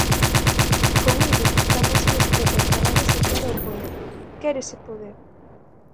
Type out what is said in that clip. Con ilo, tamén se despreza o traballo asociado ó poder: quérese poder.